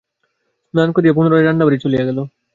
স্নান সারিয়া পুনরায় রান্নাবাড়ি চলিয়া গেল।